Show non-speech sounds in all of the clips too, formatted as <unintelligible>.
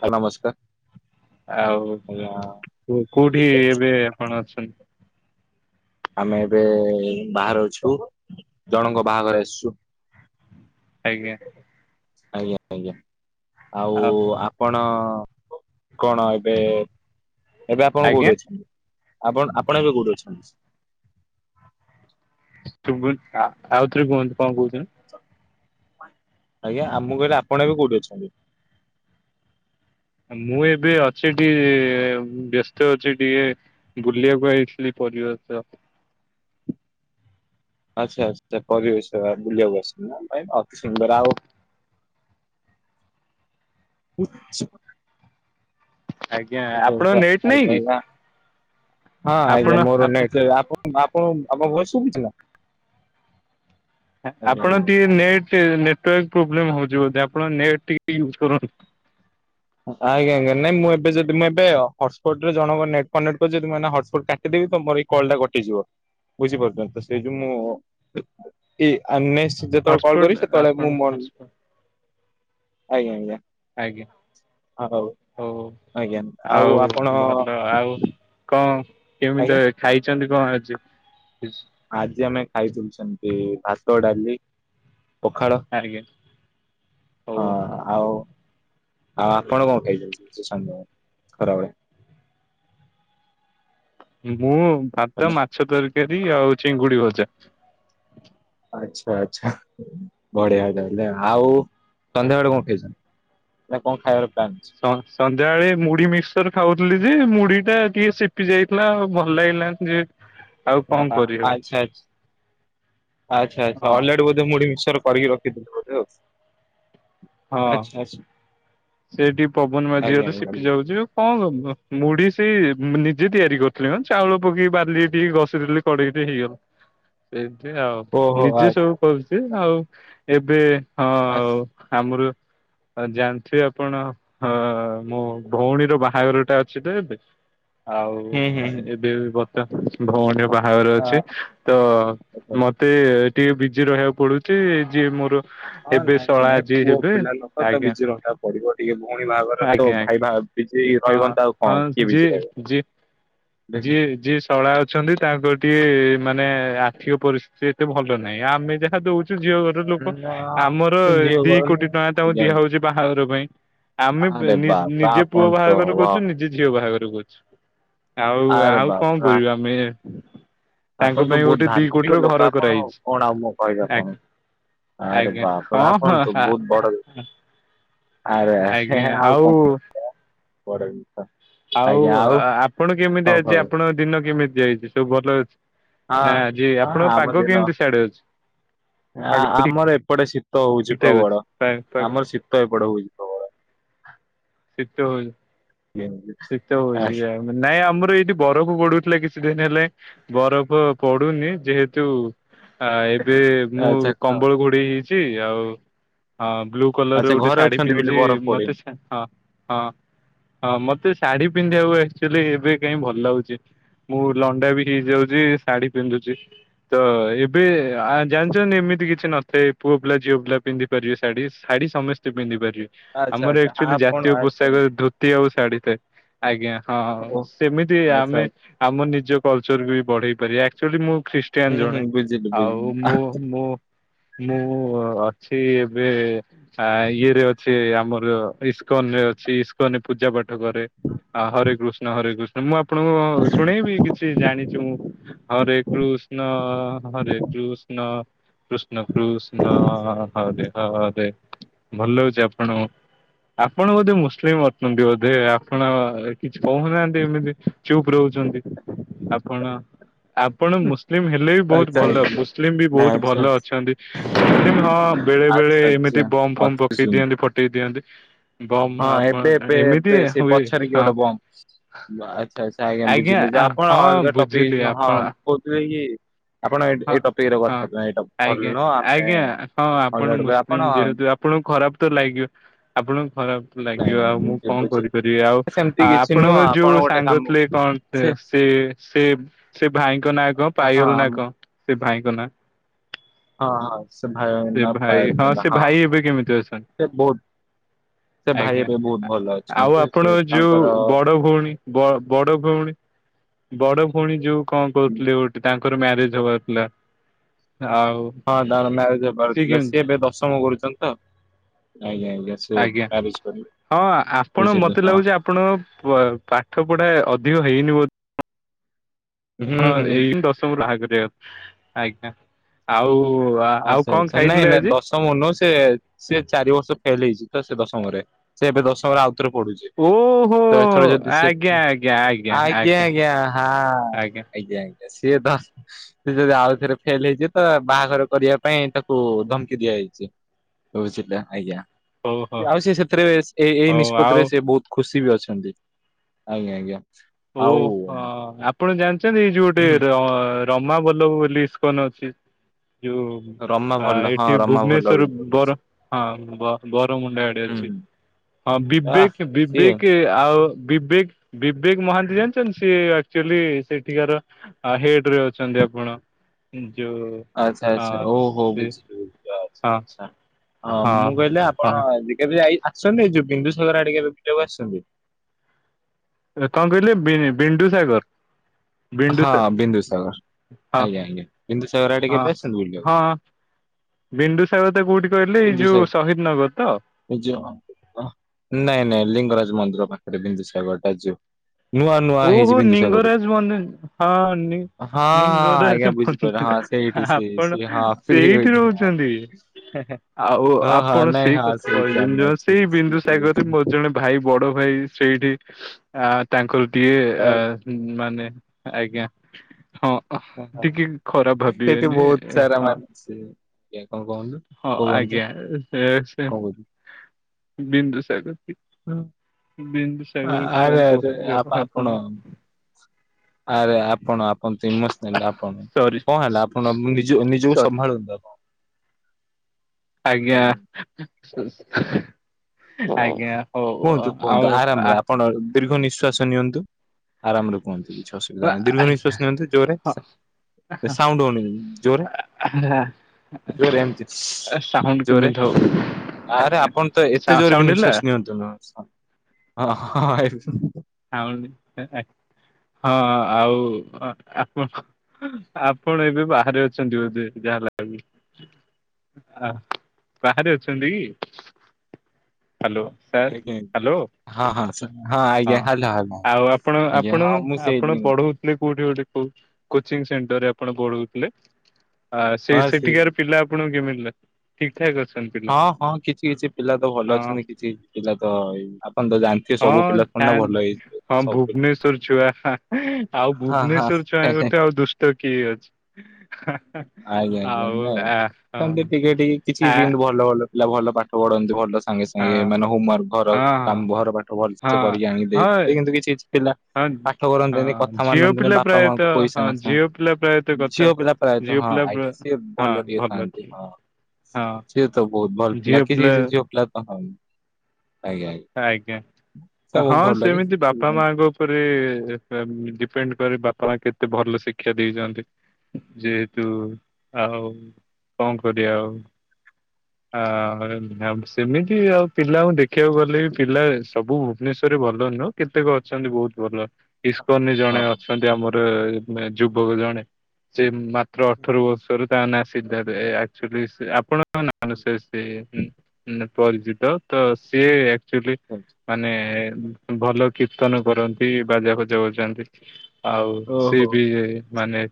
ହଁ ନମସ୍କାର। ଆଉ ଆଜ୍ଞା କୋ କୋଉଠି ଏବେ ଆପଣ ଅଛନ୍ତି? ଆମେ ଏବେ ବାହାରେ ଅଛୁ ଜଣଙ୍କ ବାହାଘର ଆସିଚୁ। ଆଜ୍ଞା। ଆଜ୍ଞା ଆଜ୍ଞା ଆଉ ଆପଣ କଣ ଏବେ ଏବେ ଆପଣ ଆଜ୍ଞା କୋଉଠି ଅଛନ୍ତି। ଆପଣ୍ ଆପଣ ଏବେ କୋଉଠି ଅଛନ୍ତି? ଶୁବୁନି ଆ ଆଉଥରେ କୁହନ୍ତୁ କଣ କହୁଚନ୍ତି। ଆଜ୍ଞା ଆ ମୁଁ କହଲି ଆପଣ ଏବେ କୋଉଠି ଅଛନ୍ତି? ମୁଁ ଏବେ ଅଛି ଟିକେ ବ୍ୟସ୍ତ ଅଛି ଟିକେ ବୁଲିବାକୁ ଆଇଥିଲି ପରିବେଶ। ଆଛା ଆଛା ପରିବେଶ ବୁଲିଆକୁ ଆସିଚନା ନା ନାଇଁ ଭାଇ ଅତି ସୁନ୍ଦର ଆଉ <unintelligible> ଆଜ୍ଞା ଆପଣଙ୍କ ନେଟ ନାହିଁ କି? ହଁ ଆପଣ ଆଜ୍ଞା ମୋର ଆପଣ ନଟେ ଆପ ଆପଣ ଆପଣଙ୍କୁ ଭଏସ ଶୁଭୁଚି ନା? ଆ ଆଜ୍ଞା ଆପଣ ଆଜ୍ଞା ଟିକେ ନେଟ ସେ ନେଟୱାର୍ ପୋବ୍ଲେମ ହୋଉଚି ବୋଧେ ଆପଣ ନେଟ୍ ଟିକେ ଟି ଏ ୟୁଜ୍ କରୁନ୍ତୁ। ଆଜ୍ଞା ଆଜ୍ଞା ନାଇ ମୁଁ ଏବେ ଯଦି ମୁଁ ଏବେ ଅ ହସ୍ପଟରେ ଜଣଙ୍କ ନେଟ କନଟ୍ କରିଚି ଯଦି ମୁଁ ଏନା ହସ୍ପଟ କାଟିଦେ ତମୋର ଏଇ କଲ ଟା କଟିଯିବ ବୁଝିପାରୁଚନ୍ତିତ ସେ ଯୋଉ ମୁଁ <unintelligible> ଯେତେବେଳେ କଲ୍ ହଟସ୍ପଟ୍ କରିବି ସେତେବେଳେ ଆପଣ ମୁଁ ମନ୍ ହଟସ୍ପଟ୍ ଆଜ୍ଞା ଆଜ୍ଞା। ଆଜ୍ଞା। ହଉ ହୋଉ ଆଜ୍ଞା ଆଉ ଆପଣ ଭଲ ଆଉ କଣଁ କେମିତି ଆଜ୍ଞା ଏବେ ଖାଇଚନ୍ତି କଣ ଆଜି? ଆଜି ଆମେ ଖାଇଦେଇଚୁ ସେମତି ଭାତ ଡାଲି। ପଖାଳ ଆଜ୍ଞା ହଁ ହଉ। ଆଉ ଆଉ ଆପଣ କଣ ଖାଇଛନ୍ତି ସନ୍ଧ୍ୟାବେଳେ ଖରାବେଳେ। <inaudible> ମୁଁ ଭାତ, ଭଲ ମାଛ ତରକାରୀ, ଆଉ ଚିଙ୍ଗୁଡି ଭଜା। ଆଚ୍ଛା ଆଛା ବଢିଆ ତାହଲେ, ଆଉ ସନ୍ଧ୍ୟାବେଳେ କଣ ଖାଇଛନ୍ତି? ନା କଣ ଖାଇବାର ପ୍ଲାନ୍ ଅଛି? ସ ସନ୍ଧ୍ୟାବେଳେ ମୁଢି ମିକ୍ସର ଖାଉଥିଲି। ଯେ ମୁଢ଼ିଟା ଟିକେ ସେପି ଯାଇଥିଲା ଭଲ ଲାଗିଲାନି ଯେହେତୁ। ଆ ଆଚ୍ଛା ଆଚ୍ଛା ଆଚ୍ଛା ଆଚ୍ଛା ହଁ ଅଲରେଡି ବୋଧେ ମୁଢ଼ି ମିକ୍ସ ଚର କରିକି ରଖିଥିଲେ ବୋଧେ ଆଉ। ହଁ ଆଚ୍ଛା ଆଚ୍ଛା ସେଠିକି ପବନ ଆଜ୍ଞା ମାଝିଗଲେ ସିପି ଆଜ୍ଞା ଯାଉଛି ଆଉ କଣ ଦବୁ? ମୁଢ଼ି ସେ ନିଜେ ତିଆରି କରିଥିଲେି ବା ଚାଉଳ ପକେଇକି ବାଲିରେ ଟିକେ ଘଷି ଦେଲେ କଡ଼େଇରେ ହେଇଗଲା। ସେନ୍ତି ଆଉ ଓହୋ ନିଜେ ଆଚ୍ଛା ସବୁ କରୁଛି ଆଉ ଏବେ ହଁ ଆସ୍। ଆମର ଆ ଜାଣିଥିବେ ଆପଣ ହ ମୋ ଭଉଣୀର ବାହାଘର ଟା ଅଛି ତ ଏବେ। ଆଉ ହୁଁ ହୁଁ ହୁଁ ଏବେ ବତ ଭଉଣୀର ବା ବାହାଘର ଆ ଅଛି ତ ଦେଖ, ମତେ ଟିକେ ବିଜି ରହିବାକୁ ପଡୁଛି ଯିଏ ମୋର ହଁ ହେବେ ନାଇଁ ଶଳା ଭାଇ ଯିଏ ପୁଅ ହେବେ ପିଲା ଲୋକ ତ ଆଜ୍ଞା ବିଜି ରହିବାକୁ ପଡିବ ଟିକେ ଭଉଣୀ ବାହାଘର ତ ଆଜ୍ଞା ଆଜ୍ଞା ଭାଇ ବା ବିଜି ହଁ ରହିବନି ତ ଆଉ କଣ ହଁ କିଏ ବିଜି ଯିଏ ରହିବ। ଯି ଦେଖ ଯିଏ ଯିଏ ଶଳା ଅଛନ୍ତି ତାଙ୍କର ଟିକେ ଟିକେ ମାନେ ଆର୍ଥିକ ପରିସ୍ଥିତି ଏତେ ଭଲ ନାହିଁ ଆମେ ଯାହା ଦଉଛୁ ତ ଝିଅ ଘର ଲୋକ ନା ଆମର ସେ ଝିଅ ଦି ଗଲେ କୋଟି ଟଙ୍କା ତାଙ୍କୁ ଆଜ୍ଞା। ଦିଆହଉଛି ବାହାଘର ପାଇଁ। ଆମେ ବେ ଆରେ ନି ବାପା ନିଜେ ପୁଅ ଆପଣ ତ ବାହାଘର ୱା କରୁଛୁ ନିଜେ ଝିଅ ବାହାଘର କରୁଛୁ, ଆଉ ଆରେ ଆଉ କଣ ବାପା କରିବୁ ଆମେ ତାଙ୍କ ଆପଣ ତ ପାଇଁ ବହୁତ ଗୋଟେ ଦି ଧାର୍ମିକ କୋଟିର ଲୋକ ଘର ଆପଣ କରାହେଇଛି। କଣ ଆଉ ମୁଁ କହିବେ ଆପଣଙ୍କୁ? ଆଜ୍ଞା ଆରେ ଆଜ୍ଞା ହଁ ବାପରେ ହଁ ଆପଣ ତ ଆ ବହୁତ ବଡ। ଆରେ ଆରେ ଆଉ କଣ। <unintelligible> ଆଉ ଆ ଆପଣ କେମିତି କଣ ଖବର ଆଜି ହଁ। ଆପଣଙ୍କ ଦିନ କେମିତି ଯାଇଛି ସବୁ ଭଲ ଅଛି? ନା ଆଜି ହଁ ଆପଣଙ୍କ ଆମ ପାଗ ଦିନ କେମିତି ସିଆଡେ ଅଛି? ଆ ପାଗ ଠିକ ଆମର ଏପଟେ ଶୀତ ହଉଛି ଠାକ ଅଛି ପ୍ରବଳ ପା ପାଗ ଆମର ଶୀତ ଏପଟେ ହଉଛି ପ୍ରବଳ। <inaudible> ଶୀତ ହଉଛି ଆଜ୍ଞା। ଶୀତ ହଉଛି ଆଚ୍ଛା ଆ ନାଇଁ ଆମର ଏଇଠି ବରଫ ପଡୁଥିଲା କିଛି ଦିନ ହେଲାଣି ବରଫ ପଡୁନି ଯେହେତୁ ଆ ଏବେ ମୁଁ ଆଚ୍ଛା କ କମ୍ବଳ ଘୋଡେଇ ହେଇଛି ଆଉ ହ ବ୍ଲୁ କଲର ଆଚ୍ଛା ଗୋଟେ ଘରେ ଶାଢୀ ଅଛନ୍ତି ବୋଲି ପିନ୍ଧିଛି ବରଫ ମତେ ପଡେନି। ଶା ହଁ ହଁ ହଁ ମତେ ଶାଢୀ ପିନ୍ଧିବାକୁ ଆକ୍ଚୁଆଲି ଏବେ କାଇଁ ଭଲ ଲାଗୁଛି। ମୁଁ ଲଣ୍ଡା ବି ହେଇଯାଉଛି ଶାଢୀ ପିନ୍ଧୁଛି ତ ଏବେ ଆ ଜାଣିଛନ୍ତି ଏମିତି ସେମିତି ନଥାଏ ପୁଅ ପିଲା ଝିଅ ପିଲା ପିନ୍ଧିପାରିବେ ଶାଢୀ ଶାଢୀ ସମସ୍ତେ ପିନ୍ଧିପାରି ଆଚ୍ଛା ଆମର ଆଚ୍ଛା ଆକ୍ଚୁଆଲି ଆପଣ ଜାତୀୟ ଆଚ୍ଛା ପୋଷାକ ଆଚ୍ଛା ଧୋତି ଆଉ ଶାଢ଼ୀ ତ ଆଜ୍ଞା । ହଁ ଓ ସେମିତି ଆଚ୍ଛା ଆମେ ଆଚ୍ଛା। ଆମ ନିଜ କଲଚରକୁ ବି ବଢେଇ ପାରିବା ଆକ୍ଚୁଆଲି ମୁଁ ଖ୍ରୀଷ୍ଟିଆନ ହୁଁ ହୁଁ ଜଣେ ବୁଝିଲି ଆଉ ବୁଝିଲି। ମୁଁ ମୁଁ ମୁଁ ଅଛି ଏବେ ସା ଇଏରେ ଅଛି ଆମର ଇସ୍ କନ୍ ରେ ଅଛି ଇସ୍କନ ରେ ପୂଜା ପାଠ କରେ ଆ ହରେ କୃଷ୍ଣ ହରେ କୃଷ୍ଣ ମୁଁ ଆପଣଙ୍କୁ ଶୁଣେଇବି କିଛି ଜାଣି ହରେ କୃଷ୍ଣ ହରେ କୃଷ୍ଣ କୃଷ୍ଣ କୃଷ୍ଣ ହରେ ହରେ, ଭଲ ଲାଗୁଛି ଆପଣଙ୍କୁ? ଆପଣ ବୋଧେ ମୁସଲିମ ଅଛନ୍ତି ବୋଧେ ଆପଣ କିଛି କହୁନାହାନ୍ତି ଏମିତି ଚୁପ୍ ରହୁଛନ୍ତି? ଆପଣ ଆପଣ ମୁସ୍ ଲିମ ହେଲେ ବି ବହୁତ ଆଚ୍ଛା ଭଲ ଆଚ୍ଛା ମୁସଲିମ ବି ନା ବହୁତ ଆଚ୍ଛା ଭଲ ଆଚ୍ଛା ଅଛନ୍ତି ମୁସଲିମ ହଁ ବେଳେବେଳେ ଆଚ୍ଛା ଏମି ତି ଆଚ୍ଛା ବମ୍ ଫମ୍ ଅତି ପକେଇ ଦିଅନ୍ତି ସୁନ୍ଦର। ଫଟେଇ ଦିଅନ୍ତି। ବମ୍ ହଁ ଏବେ ଆପଣ ଏବେ ଏମିତି ଏବେ ସେ ହୁଏ ପଛରେ କିଏ ହଁ। ଗୋଟେ ବମ୍ ଆଛା ଆଛା। ଆଜ୍ଞା ବୁଝିଲି ଯେ ଆପଣ ହଁ ଅଲଗା ବୁଝିଲି ଟପିକ ଆପଣ ହଁ କହୁଥିଲେ କି ଆପଣ ଏ ହଁ ଏ ଟପିକର ହଁ। କଥା ନୁହେଁ ଏଇଟା ଭଲ ଆଜ୍ଞା ନୁହଁ ଆମେ ଆଜ୍ଞା ହଁ ଆପଣ ହଇରାଣ ହେବା ମୁସଲିମ ଆପଣ ଯେହେତୁ ଆପଣଙ୍କୁ ଖରାପ ତ ଲାଗିବ। ଆପଣଙ୍କୁ ଖରାପ ନାଇଁ ଲାଗିବ ଆଉ ନାଇଁ ମୁଁ ବୁଝିଲି କଣ ବୁଝିଲି। କରିପାରିବି ଆଉ ସେମିତି କିଛି ନୁହଁ ଆପଣଙ୍କ ଆପଣ ଯୋଉ ଗୋଟେ ସାଙ୍ଗ କାମ ଥିଲେ କଣ ସେ ସେ ସେ ଭାଇଙ୍କ ନାଁ କଣ ହଁ ପାୟଲ ନାଁ ଆମ କଣ ସେ ଭାଇଙ୍କ ନାଁ? ହଁ ହଉ। ସେ ଭାଇ ହଁ ସେ ଭାଇ ଏବେ କେମିତି ଅଛନ୍ତି? ସେ ବହୁତ ସେ ଭାଇ ଆଜ୍ଞା ଏବେ ବହୁତ ଭଲ ଆଉ ଅଛନ୍ତି ସେ ଆପଣଙ୍କ ତାଙ୍କର ଯୋଉ ହଁ ବଡ ଭଉଣୀ ବ ବଡ ଭଉଣୀ। <inaudible> ବଡ ଭଉଣୀ ଯୋଉ କଣ କହୁଥିଲେ ଗୋଟେ ତାଙ୍କର ମ୍ୟାରେଜ ହବାର ଥିଲା। ଆଉ ତାଙ୍କର ହେବାର ଥିଲା ସିଏ ଏବେ ଦଶମ କରୁଛନ୍ତି ତ। ଆଜ୍ଞା <unintelligible> ହଁ ଆପଣ ବୁଝିଲେ ମତେ ହଁ ଲାଗୁଛି ଆପଣଙ୍କ ପାଠ ପଢା ଅଧିକ ହେଇନି। ବୋ ହୁଁ ଆପଣ ହୁଁ ଏଇ ଦଶମୁ ବାହା କରିବା <inaudible> ଆଜ୍ଞା ଆଉ ଆଉ ଆଚ୍ଛା କଣ ଆଚ୍ଛା ନାଇଁ ଖାଇଥିଲେ ନାଇଁ ଆଜି? ଦଶମ ନୁହ ସେ ସେ ଚାରି ବର୍ଷ ଫେଲ୍ ହେଇଛି। ସେ ଦଶମରେ ସେ ଏବେ ଦଶମରେ ଆଉ ପଡୁଛି ଓହୋ <inaudible> ତ ଏଥର ଯଦି ସେ ଆଜ୍ଞା ଆଜ୍ଞା ହାଁ। ଆଜ୍ଞା ଆଜ୍ଞା ସିଏ ତ ସେ ଯଦି ଆଉ ଥରେ ଫେଲ୍ ହେଇଛି ତ ବାହାଘର କରିବା ପାଇଁ ତାକୁ ଧମକି ଦିଆଯାଇଛି ବୁଝିଲ ଆଜ୍ଞା। ହଉ ହଉ ଆଉ ସେ ସେଥିରେ ଏଇ ହଉ ନିଷ୍ପତ୍ତି ରେ ଆଉ ସେ ବହୁତ ଖୁ ଖୁସି ବି ଅଛନ୍ତି ଆଜ୍ଞା ଆଜ୍ଞା। ହୋଉ ଆଉ ହଁ ଆପଣ ଜାଣିଛନ୍ତି ଏଇ ଯୋଉ ଗୋଟେ ର-ର ରମାବଲ୍ଲବ ବୋଲି ଇସ୍କନ ଅଛି ଯୋଉ ରମା ଆ ଭଲ ହଁ ଏଠି ରମା ଭଲ ଭୁବନେଶ୍ଵର ବୋଲି କହୁଛି। ବର ହଁ ବରମୁଣ୍ଡା ଆଡେ ହୁଁ ଅଛି। ହୁଁ। ହଁ ଆ ବିବେକ ସିଏ ବିବେକ ଆଉ ବିବେକ ବିବେକ ମହାନ୍ତି ଜାଣିଛନ୍ତି ସିଏ ଆଚୁଲି ସେଠିକାର ହେଡ ରେ ଅଛନ୍ତି ଆପଣ ଯୋଉ ଆଚ୍ଛା ହଁ ଆଚ୍ଛା ଓ ହୋ ସେ ବୁଝିଲି। ଆଚ୍ଛା ହଁ ଆଚ୍ଛା ହଁ ମୁଁ କହିଲି ହଁ ଆପଣ ଯେ କେବେ ଆଇ ସନ୍ଦୀ ଯୋଉ ବିନ୍ଦୁ ସାଗର ଆଡେ କେବେ ବୁଲିବା କୁ ଆସିୁଛନ୍ତି? କଣ କହିଲେ ଵି -ବିଣ୍ଡୁ ସାଗର। ହଁ ବିିନ୍ଦୁ ସାଗର। ହଁ ଆଜ୍ଞା ଆଜ୍ଞା ବିନ୍ଦୁ ସାଗର ଆଡେ କେବେ ଆସିଛନ୍ତି ବୁଲିବାକୁ? ବିଣ୍ଡୁ ସାଗର ଟା କୋଉଠି କହିଲେ ଏଇ ଯୋଉ ବିନ୍ଦୁସାଗର ଶହିଦ ନଗର ତ? <inaudible> ଏ ଯୋଉ ଅ, ନାଇଁ ନାଇଁ ଲିଙ୍ଗରାଜ ମନ୍ଦିର ପାଖରେ ବିନ୍ଦୁସାଗର ଟା ଯୋ ନୂଆ ନୂଆ ହେଇଛି ଓହୋ ନିଙ୍ଗରାଜ ମନ ହଁ ନି ହଁ ହଁ ଆଜ୍ଞା ବୁଝିପାରିଲି ହଁ <unintelligible> ସେଇଠି ସେଇ ଆପଣ ସେ ହଁ ଫ୍ରି ସେଇଠି ହୋଇନି ଆଜ୍ଞା। ରହୁଛନ୍ତି? ଆଉ ଓହୋ ଆପଣ ନାଇଁ ସେଇ ହଁ କଥା ସେଇଠି ଆମେ କହିବେନି ଅଛୁ ସେଇ ବିନ୍ଦୁସାଗରରେ ମୋର ଜଣେ ଭାଇ ବଡ ଭାଇ ସେଇଠି ଆ ତାଙ୍କର ଡିଏ ଆ ମାନେ ଆଜ୍ଞା ହଁ ଟିକେ ଖରାପ ସେଠି ଭାବିବେନି ବହୁତ ସାରା ହଁ। ମାନେ ସେ ଆଜ୍ଞା କଣ କହୁନ୍ତୁ ହଁ କୁହନ୍ତୁ କଣ ଆଜ୍ଞା ସେ କହୁଥିଲେ? <inaudible> ବିନ୍ଦୁସାଗର ହୁଁ। ବିନ୍ଦୁସାଗର କଣ ଆରେ ଆରେ କହୁଥିଲି ଆପଣ <inaudible> ଆରେ ଆପଣ ଆପ ଆପଣ ଇମୋସନାଲ ଆପଣ ସରି କଣ ହେଲା ଆପଣ ନିଜ ନିଜକୁ ସରି ସମ୍ଭାଳନ୍ତୁ ଆପଣ ଆଜ୍ଞା। <inaudible> ଆଜ୍ଞା ହଉ କୁହନ୍ତୁ କୁହନ୍ତୁ ଆଉ ଆରାମରେ ଆପଣ ଦୀର୍ଘ ନିଃଶ୍ଵାସ ନିଅନ୍ତୁ ଆରାମରେ କୁହନ୍ତୁ କିଛି ଅସୁବିଧା ଆ ନାହିଁ ଦୀର୍ଘ ଆଜ୍ଞା ନିଶ୍ଵାସ ନିଅନ୍ତୁ ଜୋରେ ସାଉଣ୍ଡ ହୋଉନି ଜୋରେ ହଁ <inaudible> ଜୋରେ ଏମିତି ସାଉଣ୍ଡ ଜୋରେ କେମିତି ହଉ ଆରେ ଆଜ୍ଞା ଆପଣ ତ ଏ ସା ସାଉଣ୍ଡ ଜୋରେ ହେଲା ବି ନିଶ୍ୱାସ ନିଅନ୍ତୁନି ହଁ ହଁ ଏ ଆଉରି <unintelligible> ହଁ ଆଉ ଆ, ଆପଣ ଆପଣ ଏବେ ବାହାରେ ଅଛନ୍ତି ବୋଧେ ଯା <unintelligible> ଆଃ, ବାହାରେ ଅଛନ୍ତି କି? ହାଲୋ, ସାର୍ ଆଜ୍ଞା ହାଲୋ । ହଁ ହଁ ହଁ ଆଜ୍ଞା ହାଲୋ ହାଲୋ। ଆଉ ଆପଣ ଆଜ୍ଞା ଆପଣ ହଁ ମୁଁ ସେଇ ଆପଣ ପଢଉ ଥିଲେ। କୋଉଠି ଗୋଟେ କୋ କୋଚିଙ୍ଗ ସେଣ୍ଟରରେ ଆପଣ ପଢ଼ଉଥିଲେ? ଆ, ସେ ହଁ ସେଇ ସେଠିକାର ପିଲା ଆପଣଙ୍କୁ କେମିତି ଲା ଠିକ୍? ହଁ, ହଁ କିଛି କିଛି ପିଲା ତ ଭଲ ଅଛନ୍ତି। କିଛି ପିଲା ତ ଏଇ ଆପଣ ତ ଜାଣିଥିବେ ସବୁ ପିଲା ଥୋଡି ନା ସାନ୍ ଭଲ ହେଇଯିବେ ହଁ ସବୁ ପିଲା ଭୁବନେଶ୍ଵର ଛୁଆ। ହା ଆଉ ହଁ ଭୁବନେଶ୍ଵର ହଁ। ଛୁଆଙ୍କଠୁ ଆଉ ଦୁଷ୍ଟ କିଏ ଅଛି। ଆଜ୍ଞା, ଆଜ୍ଞା ଆଉ ନାଇଁ ଆ ସେମତି ହଁ ଟିକେ ଟିକେ କିଛି ଆ ଯେମତି ଭଲ ଭଲ ପିଲା ଭଲ ପାଠ ପଢନ୍ତି ଭଲସେ ସାଙ୍ଗେ ହଁ ସାଙ୍ଗେ ହଁ ମାନେ ହୋମୱାର୍କ ଘର କାମ ହଁ ଘର ପାଠ ଭଲସେ କରିକି ଆଣି ଦେଇ, ହଁ ଏ କିନ୍ତୁ କିଛି ପିଲା ହଁ ପାଠ କରନ୍ତିନି, ହଁ କଥା ଝିଅ ମାନନ୍ତିନି, ପିଲା ବାପା ମାଙ୍କୁ ପ୍ରାୟତଃ ପଇସା ହଁ ମାଗସନ୍। ଝିଅ ପିଲା ପ୍ରାୟତଃ ଝିଅ କଥା ପିିଲା ପ୍ରାୟତଃ ଝିଅ ହଁ ହଁ ପିଲା ଆଜ୍ଞା ପ୍ର- ସିଏ ଭଲ ହଁ ଟିକେ ଖାଥାନ୍ତି ଅଛି ହଁ। ହଁ ସିଏ ତ ବହୁତ ଭଲ ପିଲା। କିଛି ଝି ପିଲା ତ ହଁ, ଆଜ୍ଞା। ଆଜ୍ଞା ଏ ସବୁ ହଁ ଭଲ କି ସେମିତି ବାପା ସୁବିଧା ମାଙ୍କ ଉପରେ ସେ ଉଁ ଡିପେଣ୍ଡ କରେ ବାପା ମା କେତେ ଭଲ ଶିକ୍ଷା ଦେଇଚନ୍ତି। ଯେହେତୁ ଆଉ କଣ କରିବା ଆଉ ଆ, ଆଉ ସେମିତି ଆଉ ପିଲାଙ୍କୁ ଦେଖିବାକୁ ଗଲେ ବି ପିଲା ସବୁ ଭୁବନେଶ୍ୱର ରେ ଭଲ ନୁହଁ କେତେକ ଅଛନ୍ତି ବହୁତ ଭଲ, ଇସ୍କନ ରେ ଜଣେ ହଁ। ଅଛନ୍ତି ଆମର ଏ ନେ ଯୁବକ ଜଣେ ସେ ମାତ୍ର ଅଠର ବର୍ଷରୁ ତା ନା ସିଦ୍ଧାର୍ଥ। ଏ ଆକ୍ଟୁଲି ସେ ଆପଣ <inaudible> ମାନ ସେ ସିଏ ଉଁ, ଉଁ, ନା ପରିଚିତ ତ ସିଏ ଚୁଲେ ଆଚ୍ଛା ମାନେ ଭଲ କୀର୍ତ୍ତନ କରନ୍ତି, ବାଜା ଫାଜା ବଜାନ୍ତି । ଆଉ ସିଏ ଓହୋ। ବି ଏ ମାନେ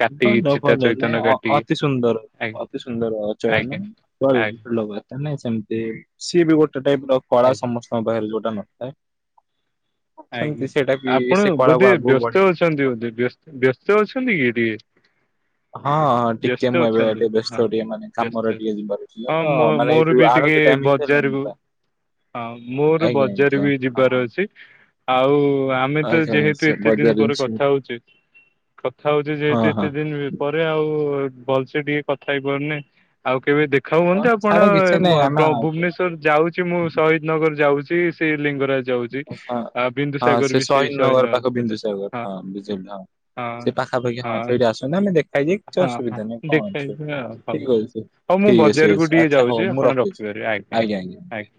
କାଟିକି ଭଲ ଚିତା ଭଲ ନାଇ, ଚୈତନ ଅ, କାଟିକି ଅତିସୁନ୍ଦର ଆଜ୍ଞା ଅତିସୁନ୍ଦର ଅଚୟନ। ଆଜ୍ଞା ଆଜ୍ଞା <unintelligible> ଭଲ ବା ଆ, ନାଇଁ ସେମିତି ସିଏ ବି ଗୋଟେ ଟାଇପ୍ ର କଳା ଆଜ୍ଞା। ସମସ୍ତଙ୍କ ପାଖରେ <unintelligible> <unintelligible> ସେମିତି ଆଜ୍ଞା ସେଇଟା ବି ଆପଣ ସେ କଳାକୁ ବୋଧେ ଆଗକୁ ବଢେଇ ବ୍ୟସ୍ତ ଅଛନ୍ତି। ବୋଧେ ବ୍ୟସ ବ୍ୟସ୍ତ ଅଛନ୍ତି କି ଟିକେ? ହଁ ହଁ ଟିକେ ବ୍ୟସ୍ତ ମୁଁ ଏବେ ଅଛନ୍ତି ଟିକେ ବୋଧେ ବ୍ୟସ୍ତ ହଁ, ଟିକେ ମାନେ କାମରେ ବ୍ୟସ୍ତ ଟିକେ ଯିବାର ଥିଲା ହଁ ତ ମୋ ମାନେ ଏଇ ମୋର ଯୋଉ ବି ଟିକେ ଆଳତି ଟାଇମ ହେଇସାରିଲାଣି ବଜାରକୁ, ତ ହଁ ମୋର ଆଜ୍ଞା ବଜାର ଆଜ୍ଞା ବି ହଁ ଯିବାର ହଁ ଅଛି। ଆଉ ଆମେ ତ ଆଚ୍ଛା ଯେହେତୁ ଆଚ୍ଛା ଏତେ ଦିନ ବଜାର ପରେ ଜିନିଷ କଥା ହଉଚେ କଥା ହଉଚେ ହଁ ଯେହେତୁ ହଁ ଏତେ ଦିନ ପରେ ଆଉ ଭଲସେ ଟିକେ କଥା ହେଇପାରୁନେ। ଆଉ କେବେ ଦେଖା ହଁ, ହୁଅନ୍ତେ ଆପଣ ଛାଡ କିଛି ଏ ନାହିଁ ମୋ ତ ଆମେ ଆଉ- ଭୁବନେଶ୍ୱର ଯାଉଚି ମୁଁ ସହୀଦନଗର ଯାଉଛି। ଏ ସେ ଲିଙ୍ଗରାଜ ଯାଉଚି। ହଁ ହଁ ସେ ସହୀଦନଗର ପାଖ ବିନ୍ଦୁସାଗର ହଁ ବିଜେପି ହଁ ସେ ପାଖାପାଖି ହଁ ସେଇଠି ଆସୁନ। ଆମେ ଦେଖାହେଇଯାଇ କିଛି ହଁ ହଁ ଅସୁବିଧା ନାହିଁ। କଣ ଅଛି ଦେଖାଯିବା ଆଉ ହଉ ଠିକ ଅଛି। ହଉ ମୁଁ ଠିକ୍ ଅସି ବଜାରକୁ ଅସି ଟିକେ ଆଚ୍ଛା ହଉ ଯାଉଛି ମୁଁ ଆପଣ ରଖୁଛି ରଖିପାରିବେ ।ଆଜ୍ଞା, ଆଜ୍ଞା।